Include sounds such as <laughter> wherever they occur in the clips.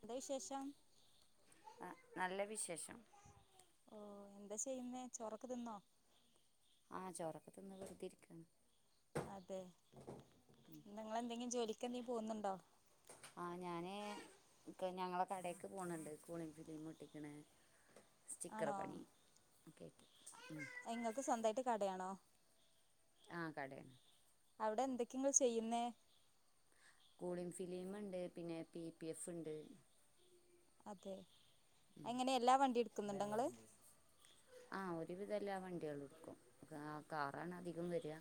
എന്താ വിശേഷം? നല്ല വിശേഷം. ഓ എന്താ ചെയ്യുന്നേ? ചോറൊക്കെ തിന്നോ? ആഹ് ചോറൊക്കെ തിന്ന് വെറുതേ ഇരിക്കുന്ന്. അതെ ക്കെ നീ പോന്നുണ്ടോ? ആഹ് ഞാന് ഇക്ക ഞങ്ങളെ കടേക്ക് പോണണ്ട്. Cooling film ഒട്ടിക്കണേ. സ്റ്റിക്കറ് പണി. കേട്ടി നിങ്ങക്ക് സ്വന്തായിട്ട് കടയാണോ? ആഹ് കടയാ. അവിടെന്തൊക്കെയ ങ്ങള് ചെയ്യുന്നേ? കൂളിംഗ് ഫിലിം ഇണ്ട്. പിന്നെ, പി പി എഫ് ഇണ്ട്. അതെ. അങ്ങനെ എല്ലാ വണ്ടീടുക്കുന്നുണ്ടോ ങ്ങള്? ആ ഒരുവിധം എല്ലാ വണ്ടികളും എടുക്കും. കാറാണ് അധികം വര്വ.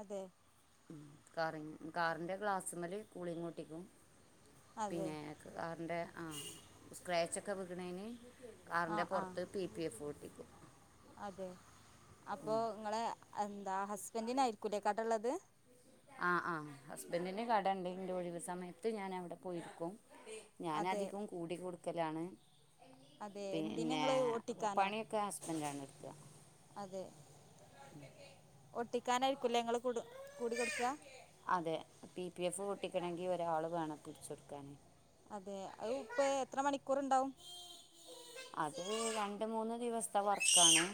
അതെ. കാറി കാറിൻ്റെ ഗ്ലാസ്മ്മല് കൂളിങ്ങൊട്ടിക്കും. അതെ പിന്നെ, കാറിൻ്റെ ആഹ്, സ്ക്രാച്ചൊക്കെ വീണേന് ആ കാറിന്റെ ആ പൊറത്ത് പി പി എഫും ഒട്ടിക്കും. അതെ. അപ്പൊ ഇങ്ങളെ എന്താ ഹസ്ബന്റനായിരിക്കൂലേ കടള്ളത് ആ ആ ഹസ്ബൻഡിന് കടണ്ട് ഇൻ്റെ ഒഴിവ് സമയത്ത് ഞാൻ അവിടെ പോയിരിക്കും ഞാൻ അതെ അധികം കൂടി കൊടുക്കലാണ് അതെ എന്തിന് പിന്നെ നിങ്ങൾ ഒട്ടിക്കാനോ പണിയൊക്കെ ഹസ്ബന്റാണ് എടുക്ക ഒട്ടിക്കാനായിരിക്കുല്ലേ ങ്ങള് കുട് കൂടി കൊടുക്ക അതെ പി പി എഫ് ഒട്ടിക്കണെങ്കി ഒരാള് വേണം പിടിച്ചൊടുക്കാന് അതെ അ ഇപ്പേ എത്ര മണിക്കൂർ ഇണ്ടാവും അത് രണ്ട് മൂന്ന് ദിവസത്തെ വർക്കാണ്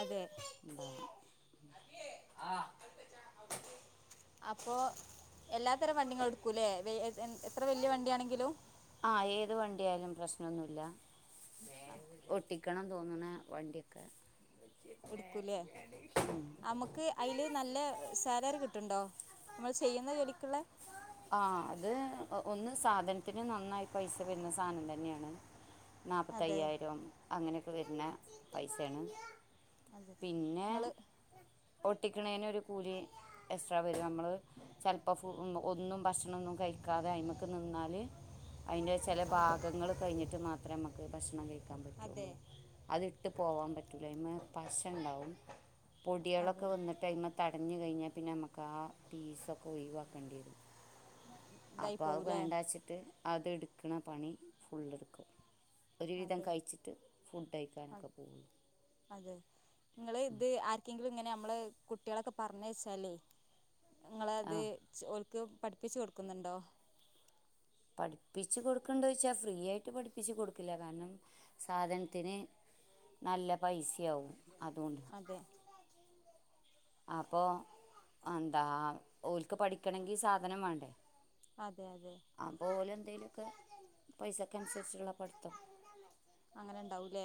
അതെ ഉണ്ടാവുക അപ്പൊ എല്ലാത്തരം വണ്ടികളും എടുക്കൂല്ലേ എത്ര വല്യ വണ്ടിയാണെങ്കിലും ആ ഏത് വണ്ടി ആയാലും പ്രശനൊന്നുല്ല ഒട്ടിക്കണം തേന്ന്ണെ വണ്ടി ഒക്കെ എടുക്കൂലേ നമുക്ക് അതില് നല്ല സാലറി കിട്ടിണ്ടോ നമ്മള് ചെയ്യുന്ന ജോലിക്കിള്ളെ ആ അത് ഒന്ന് സാധനത്തിന് നന്നായി പൈസ വരുന്ന സാധനം തന്നെയാണ് അതെ നാപ്പത്തയ്യായിരം അങ്ങനെയൊക്കെ വരുന്ന പൈസേണ് അതെ ഇങ്ങള് ഒട്ടിക്കുണേന് ഒരു കൂലി എക്സ്ട്രാ വരും നമ്മള് ചെലപ്പോ ഫുൾ ഒന്നും ഭക്ഷണൊന്നും കയിക്കാതെ അയ്മക്ക് നിന്നാൽ അയിൻ്റെ ചെല അതെ ഭാഗങ്ങൾ കയിഞ്ഞിട്ട് മാത്രം ഞമ്മക്ക് ഭക്ഷണം കയിക ക്കാൻ അതെ പറ്റുള്ളു അത്ട്ട് പോവാൻ പറ്റുല്ല അതിമ്മേ പശണ്ടാവും അതെ പൊടിയോളൊക്കെ വന്നട്ട് അയ്മേ തടഞ്ഞു കയിഞ്ഞാ പിന്നെ നമുക്കാ പീസൊക്കെ ഒയിവാക്കേണ്ടി വരും ഇതായി അപ്പം അത് പോകൂലേ വേണ്ട വച്ചിട്ട് അത് എടുക്കണ പണി ഫുള്ളെടുക്കും ഒരു വിധം അതെ കയിച്ചിട്ട് ഫുഡ് അ- കയിക്കാനൊക്കെ പോകും അതെ നിങ്ങള് ഇത് ആർക്കെങ്കിലും ഇങ്ങനെ കുട്ടികളൊക്കെ പറഞ്ഞയച്ചാലെ നിങളത് ആ ഒൽ ക്ക് പഠിപ്പിച്ചു കൊടുക്കുന്നുണ്ടോ പഠിപ്പിച്ച് കൊടുക്കണ്ടൊ ചോദിച്ചാ ഫ്രീ ആയിട്ട് പഠിപ്പിച്ച് കൊടുക്കില്ല കാരണം സാധനത്തിന് നല്ല പൈസയാവും അതോണ്ട് അതെ അപ്പൊ എന്താ ഓല്ക്ക് പഠിക്കണെങ്കി സാധനം വേണ്ടേ അതെ അതെ അപ്പൊ ഓല് എന്തേലൊക്കെ പൈസക്ക് അനുസരിച്ചുള്ള പഠിത്തം അല്ലെ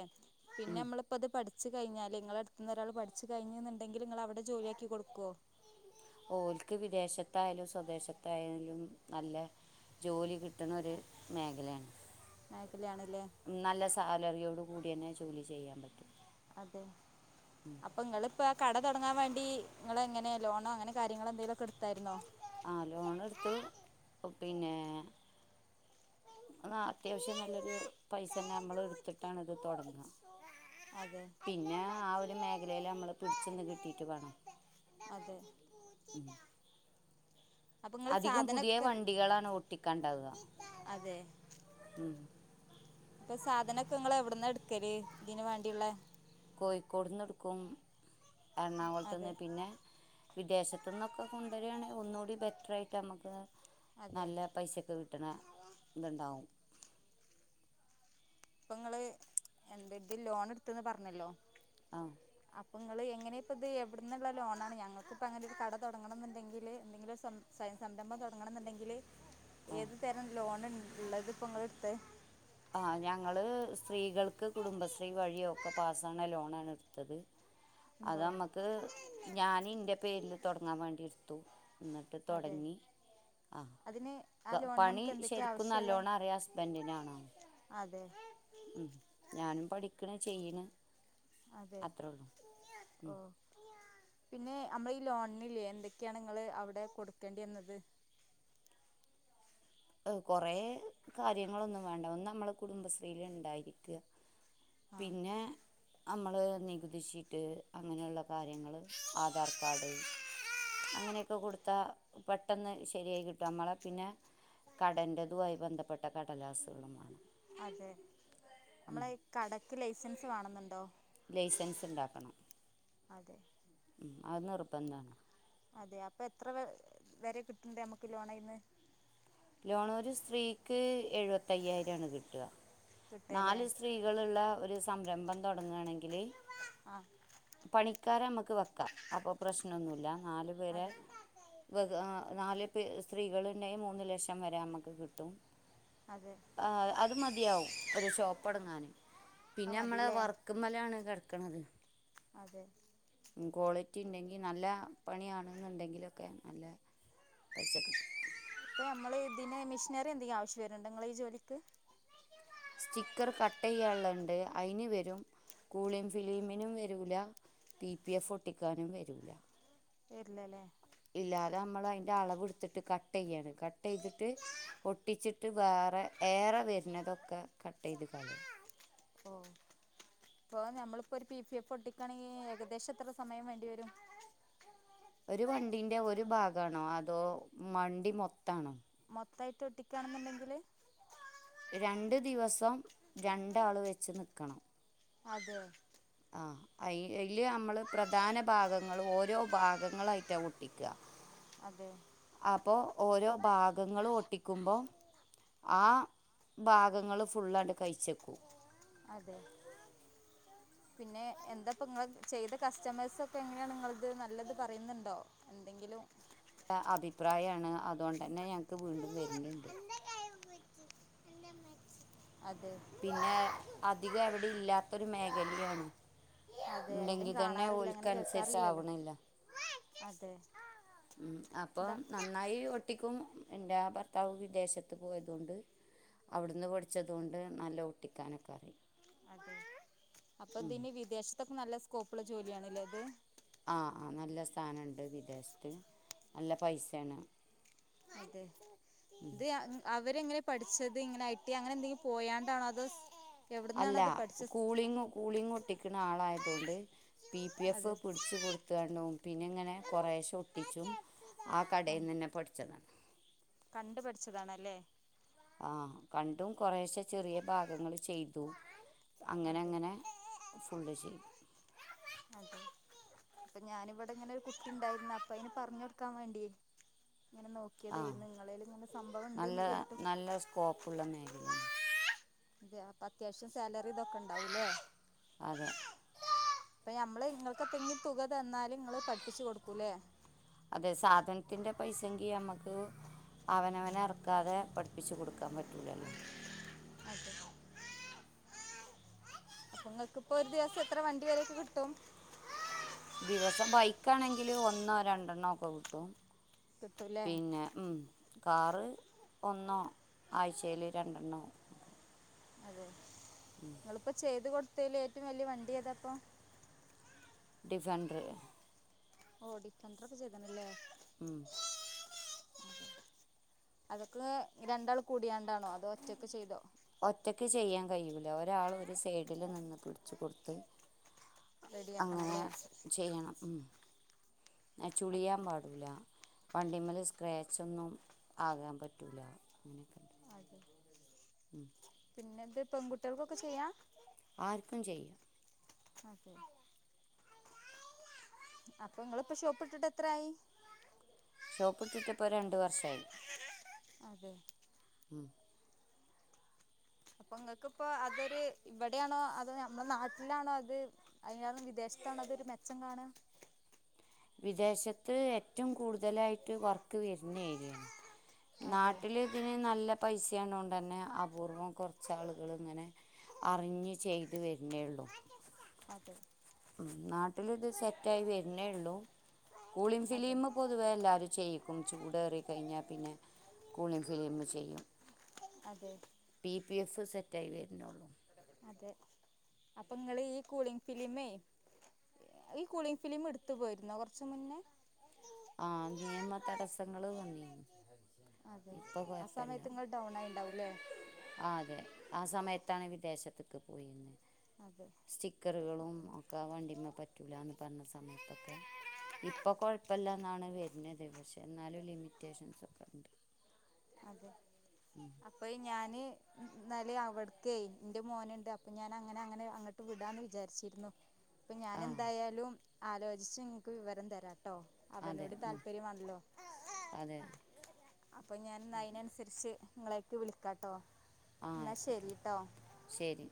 പിന്നെ ഉം. നമ്മളിപ്പ അത് പഠി പഠിച്ചു കഴിഞ്ഞാല് നിങ്ങള അടുത്ത കയിഞ്ഞാല് ഇങ്ങളെ അടുത്ത് ഒരാൾ പഠിച്ചു കയിഞ്ഞുന്നുണ്ടെങ്കിൽ നിങ്ങള് അവിടെ ജോലിയാക്കി കൊടുക്കൊ ഓല്ക്ക് വിദേശത്തായാലും സ്വദേശത്തായാലും നല്ല ജോലി കിട്ടണ ഒരു മേഖലയാണ് നായ്ക്കലാണല്ലേ നല്ല സാലറിയോട് കൂടിയന്നെ ജോലി ചെയ്യാൻ പറ്റും അതെ അപ്പൊങ്ങള്പ്പ കട തൊടങ്ങാൻ വേണ്ടി നിങ്ങളെ എങ്ങനെ ലോണോ അങ്ങനെ കാര്യങ്ങൾ എന്തെങ്കിലൊക്കെ എടുത്തായിരുന്നോ ആ ലോൺ എടുത്തു പിന്നെ ആ അത്യാവശ്യം നല്ലൊരു പൈസ തന്നെ നമ്മൾ എടുത്തിട്ടാണ് ഇത് തൊടങ്ങാ അതെ അതെ മേഖലയിൽ നമ്മൾ പിടിച്ചെന്ന് കിട്ടിയിട്ട് വേണം ഉം അപ്പൊ ഇങ്ങള് അധികം പുതിയ സാധനൊക്കെ വണ്ടികളാണ് ഓട്ടിക്കാണ്ടാവ അതെ ഉം ഇപ്പൊ സാധനൊക്കെ നിങ്ങള് എവിട്ന്ന എടുക്കല് ഇതിന് വേണ്ടിയുള്ള കോയിക്കോട് നിന്ന് എടുക്കും അതെ എറണാകുളത്തുന്ന് പിന്നെ വിദേശത്തുന്നൊക്കെ കൊണ്ടുവരാണെിൽ ഒന്നുകൂടി ബെറ്ററായിട്ട് നമ്മക്ക് അതെ നല്ല പൈസക്ക് കിട്ടണ ഇത് ഉണ്ടാവും ഇപ്പൊ നിങ്ങള് എന്ത ഇത് ലോൺ എടുത്തന്ന് പറഞ്ഞല്ലോ ആ അപ്പ നിങ്ങള് എങ്ങനെ ഇപ്പ ഇത് എവിടന്നുള്ള ലോണാണ് ഞങ്ങക്കിപ്പോ അങ്ങനെ ഒരു കട തൊടങ്ങണന്നുണ്ടെങ്കില് എന്തെങ്കിലും സ സംരംഭം തൊടങ്ങണംന്നുണ്ടെങ്കില് ആ ഏത് തരം ലോൺ ഇള്ളത് ഇപ്പൊ നിങ്ങള് എടുത്തെ ആ ഞങ്ങള് സ്ത്രീകൾക്ക് കുടുംബശ്രീ വഴി ഒക്കെ പാസ്സാവണ ലോണ് ആണ് എടുത്തത് ഉണ്ടോ അതമ്മക്ക് ഞാന ഇന്റെ പേരില് തുടങ്ങാൻ വേണ്ടി എടുത്തു എന്നിട്ട് അതെ തുടങ്ങി ആ അതിന് ആ ലോണിന് പണി നമുക്ക് എന്തൊക്കെയാ ശരിക്കും ആവശ്യമുള്ളെ നല്ലോണം അറിയാം ഹസ്ബൻഡിനാണോ അതെ ഉ ഞാനും പഠിക്കണ് ചെയ്യണ് അതെ അത്രോള്ള ഓ പിന്നെ നമ്മള ഈ ലോണിനില്ലേ എന്തൊക്കെയാണ് നിങ്ങള് അവിടെ കൊടുക്കേണ്ടി വന്നത് കുറെകാര്യങ്ങളൊന്നും വേണ്ട ഒന്ന് നമ്മള് കുടുംബശ്രീയില് ഉണ്ടായിരിക്കുക ആഹ് പിന്നെ നമ്മള് നികുതിഷീറ്റ് അങ്ങനെയുള്ള കാര്യങ്ങള് ആധാർകാർഡ് അങ്ങനെയൊക്കെ കൊടുത്താൽ പെട്ടെന്ന് ശരിയായി കിട്ടും നമ്മളെ പിന്നെ കടൻറതുമായി ബന്ധപ്പെട്ട കടലാസുകളുമാണ് അതെ നമ്മളെ കടക്ക് ലൈസൻസ് വേണെന്നണ്ടോ ലൈസൻസ് ഉണ്ടാക്കണം അതെ ഉ അത് നിർബന്താണ് അതെ അപ്പൊ എത്ര വ വരെ കിട്ടണ്ട നമ്മുക്ക് ലോണയിന്ന് ലോണ ഒരു സ്ത്രീക്ക് എഴുപത്തയ്യായിരംണ് കിട്ടുക കിട്ടല്ലേ നാല് സ്ത്രീകളുള്ള ഒരു സംരംഭം തുടങ്ങുകയാണെങ്കില് ആഹ് പണിക്കാരെ നമ്മക്ക് വെക്കാം അപ്പൊ പ്രശ്നംന്നുമല്ല നാല് പേരെ അതെ നാല് സ്ത്രീകള് മൂന്ന് ലക്ഷം ക്ഷംവരെ നമുക്ക് കിട്ടും അതെ അത് മതിയാവും ഒരു ഷോപ്പ്ടങ്ങാന് അത് പിന്നെ നമ്മള മതില്ലേ വർക്കും മലയാണ് കിടക്കണത് അതെ കോളിറ്റി റ്റിണ്ടെങ്കിൽ നല്ല പണിയാണെന്നുണ്ടെങ്കിലൊക്കെ നല്ല പൈസ കിട്ടും ഞമ്മ മിഷിനറി എന്തെങ്കിലും ആവശ്യം വരുണ്ട് നിങ്ങള ഈ ജോലിക്ക് സ്റ്റിക്കർ കട്ട് ചെയ്യുള്ളുതുണ്ട് അതിന് വരും കൂളിംഗ് ഫിലിമിനും വരൂല പി പി എഫ് ഒട്ടിക്കാനും വരൂല ഇല്ലല്ലേ ഇല്ലാതെ നമ്മൾ അതിന്റെ അളവ് എടുത്തിട്ട് കട്ട് ചെയ്യാണ് കട്ട് ചെയ്തിട്ട് ഒട്ടിച്ചിട്ട് ഏറെ വരുന്നതൊക്കെ കട്ട് ചെയ്ത് കളി ഓ ഇപ്പൊ നമ്മളിപ്പോ ഒരു പി പി നമ്മള് ഒരു പി പി എഫ് ഒട്ടിക്കണെങ്കിൽ ഏകദേശം എത്ര സമയം വേണ്ടി വരും ഒരു വണ്ടിന്റെ ഒരു ഭാഗാണോ അതോ വണ്ടി മൊത്താണോ ത്തായിട്ട് ഒട്ടിക്കയാണെന്നുണ്ടെങ്കിൽ രണ്ട് ദിവസം രണ്ടാള് വെച്ച് നിക്കണം അതെ ആ അ അതിൽ നമ്മൾ പ്രധാന ഭാഗങ്ങൾ ഓരോ ഭാഗങ്ങളായിട്ടാണ് ഒട്ടിക്കുക അതെ അപ്പൊ ഓരോ ഭാഗങ്ങളും ഒട്ടിക്കുമ്പോ ആ ഭാഗങ്ങള് ഫുള്ളായിട്ട് കഴിച്ചെക്കും അത പിന്നെ എന്താപ്പ നിങ്ങ ചെയ്ത കസ്റ്റമേഴ്സ് ഒക്കെ എങ്ങനെയാണ് നിങ്ങളത് നല്ലത് പറയുന്നുണ്ടോ എന്തെങ്കിലും അഭിപ്രായമാണ് അതുകൊണ്ട തന്നെ ഞങ്ങക്ക് വീണ്ടും വരുന്നുണ്ട് അത പിന്നെ അധികം എവിടെ ഇല്ലാത്തൊരു മേഖലയാണ് അതെ എവിടയും ഉണ്ടെങ്കിൽ തന്നെ കാണാറില്ല അങ്ങനെ ഓൽക്കനുസരിച്ച് കേക്കാറില്ലല്ലോ ആവണില്ല അതെ ഉ എന്താ അപ്പം നന്നായി ഒട്ടിക്കും എൻ്റെ ഭർത്താവ് വിദേശത്ത് പോയത കൊണ്ട് അവിടുന്ന് പൊഠിച്ചത്ണ്ട് നല്ല ഒട്ടിക്കാനൊക്കെറി അതെ, അപ്പൊതിനി വിദേശത്തൊക്കെ നല്ല സ്കോപ്പുള്ള ജോലിയാണ്ലെ ഇത്. ആ, ആ. നല്ല സഥാനംണ്ട് വിദേശത്ത്. നല്ല പൈസേണ്. അതെ. ഇത് <inaudible> അവരെങ്ങനെ പഠിച്ചത്. ഇങ്ങനെ ഐ ടി അങ്ങനെ എന്തെങ്കിലും പോയാണ്ടാണോ അതോ <inaudible> അല്ല, പഠിച്ചത് കൂളിങ്. കൂളിങ് ഒട്ടിക്കണ ആളായതൊണ്ട്. പി പി എഫ് അതെ പിടിച്ച് കൊടുത്താണ്ടും പിന്നങ്ങനെ കുറേശ്ശെ ഒട്ടിച്ചും. ആ കടയിൽ ആഹ് നിന്നന്നെ പടിച്ചതാ. ലെ ആഹ് കണ്ടും കൊറേശെ ചെറിയ ഭാഗങ്ങൾ ചെയ്തു. അങ്ങനെ അതെ അങ്ങനെ ഫുള്ള് ചെയ്യും. അത അപ്പൊ ഞാനിവിടെങ്ങനൊരു കുട്ടി ഉണ്ടായിരുന്ന. അപ്പൊ അയിന് പറഞ്ഞൊടുക്കാൻ വേണ്ടിയേ. ഇങ്ങനെ നോക്കിയ ആ തേരുന്നു. ങ്ങളേല്ങ്ങനെ സംഭവം നല്ല ഉണ്ട്ന്ന് കേട്ടു. നല്ല സ്കോപ്പുള്ള മേഖലയാണ് അതെ അപ്പ അത്യാവശ്യം സാലറി ഇതൊക്കെ ഇണ്ടാവൂല്ലേ. അതെ അപ്പൊ മ്മള് ഇങ്ങൾക്ക് എത്തങ്കിലും തുക തന്നാല് ഇങ്ങള് പഠിപ്പിച്ചു കൊടുക്കൂല്ലേ. അതെ സാധൻത്തിന്റെ പൈസങ്കി യമ്മക്ക്. അവനവനെ എറക്കാതെ പഠിപ്പിച്ചു കൊടുക്കാൻ പറ്റൂലല്ലോ. അതെ. അപ്ങ്ങൾക്ക്പ്പോഒരു ദിവസം എത്ര വണ്ടി വരൊക്കെ കിട്ടും. ദിവസം ബൈക്കാണെങ്കില് ഒന്നോ രണ്ടെണ്ണോ ഒക്കെ കിട്ടും. കിട്ടൂല്ലേ പിന്നെ ഉം. കാറ് ഒന്നോ. ആഴ്ചയിൽ രണ്ടെണ്ണോ. അതെ നിങ്ങള്പ്പോ ചെയ്ത് കൊടുത്തേല് ഏറ്റവും വലിയ വണ്ടി ഏതാപ്പൊ. ഡിസന്റ. ർ ഓ ഡിസൻടറൊക്കെ ചെയ്ത്ണ്ല്ലേ. ഉം. അതൊക്കെ രണ്ടാള് കൂടിയാണ്ടാണോ അതോ ഒറ്റക്ക് ചെയ്തോ? ഒറ്റക്ക് ചെയ്യാൻ കഴിയൂല. ഒരാള് ഒരു സൈഡില് നിന്ന് പിടിച്ചു കൊടുത്ത്. അങ്ങനെ റെഡിയാക്കണല്ലേ ചെയ്യണം. ഉം. ആ, ചുളിയാൻ പാടൂല. വണ്ടിമ്മല് സ്ക്രാച്ച് ഒന്നും ആകാൻ പറ്റൂല. അതെ. ഉം. പിന്നെ ഇത് പെൺകുട്ടിയോ കൊക്കെ ചെയ്യാം. ആർക്കും ചെയ്യാം. അതെ. അപ്പൊ നിങ്ങളിപാ ഷോപ്പ്ട്ടിട്ട് എത്രായി. ഷോപ്പ് ഇട്ടിട്ട്പ്പോ രണ്ട് വർഷായി. അതെ അപ്പൊങ്ങക്ക്പ്പോ അതൊരു ഇവിടാണോ അതോ നമ്മളെ നാട്ടിലാണോ അത്. <inaudible> അതിന വിദേശ <inaudible> താണ്. അതൊരു മെച്ചം കാണാ. വിദേശത്ത് ഏറ്റവും കൂടുതലായിട്ട് വർക്ക് വര്ണ ഏരിയാണ്. അതെ നാട്ടില് ഇതിന് നല്ല. പൈസ ആണോണ്ട് തന്നെ അപൂർവം കുറച്ച് ആളുകള് ഇങ്ങനെ. <inaudible> അറിഞ്ഞ് ചെയ്ത് വര്ണേ ള്ളൂ. അതെ ഉം. നാട്ടില് ഇത് സെറ്റായി വരുന്നേ ഉള്ളൂ. കൂളിം അതെ ഫിലീമ് പൊതുവേ എല്ലാരും ചെയ്യിക്കും. ചൂടേറികഴിഞ്ഞാൽ പിന്നെ. കൂളിം ഫിലിമ് ചെയ്യും. അതെ പി പി എഫ് സെറ്റായി വരുന്നുള്ളൂ. അതെ. അപ്പം ഇങ്ങള് ഈ കൂളിങ് ഫിലിമേ. ഈ കുളിങ് ഫിലിം ഇടുത്തു പോയിരുന്നോ കൊറച്മുന്നേ. ആഹ, നിയമ തടസ്സങ്ങള് വന്നിരുന്നു. അതെ ഇപ്പ ആ കൊയപ്പില്ല. സമയത്ത് നിങ്ങൾ ഡൗൺ ആയിണ്ടാവൂല്ലേ ആ അതെ ആ സമയ ത്താണ് വിദേശത്തൊക്കെ പോയിന്ന്‌. അതെ സ്റ്റിക്കറുകളും ഒക്കെ വണ്ടിമ്മ പറ്റൂലാന്ന് പറഞ്ഞ സമയ ക്കെ ഇപ്പോ കൊഴപ്പ പ്പല്ല എന്നാണ് വരുന്നത്. പക്ഷേ എന്നാലും ലിമിറ്റേഷൻസൊക്കെണ്ട്. അതെ. അപ്പോയ് ഞാന് ന്നാലെ അവടക്കേ ന്റെ മോനുണ്ട് അപ്പോ ഞാന് അങ്ങനെ അങ്ങനെ അങ്ങട്ട് വിടാന്ന് വിചാരിച്ചിരുന്നു. ഇപ്പോ ആഹ് ഞാനെന്തായാലും ആലോചിച്ച് ഇങ്ങക്ക് വിവരം തരാ ട്ടോ അതെ അവനോടിം ഉം താല്പര്യം വേണല്ലോ. അതെ അപ്പോ ഞാൻ ന്നാ അയിനനുസരിച്ച് ഇങ്ങളേക്ക് വിളിക്കാട്ടോ ആ എന്നാ ആയിക്കോട്ടെ ശരിട്ടോ ശരി